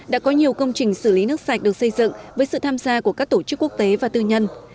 đã có nhiều công trình xử lý nước sạch được xây dựng với sự tham gia của các tổ chức quốc tế và tư nhân